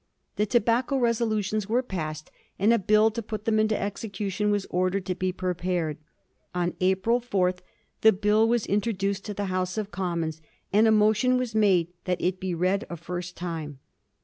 The tobacco resolutions were passed, and a Bill to put them into execution was ordered to be prepared. On April 4 the Bill was introduced to the House of Commons, and a motion was made that it be read a first time.